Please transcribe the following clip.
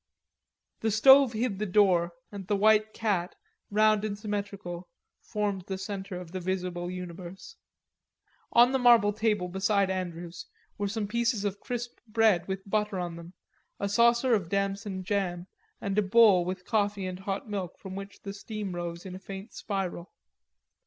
The stove hid the door and the white cat, round and symmetrical, formed the center of the visible universe. On the marble table beside Andrews were some pieces of crisp bread with butter on them, a saucer of damson jam and a bowl with coffee and hot milk from which the steam rose in a faint spiral.